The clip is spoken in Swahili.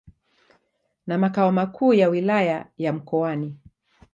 na makao makuu ya Wilaya ya Mkoani.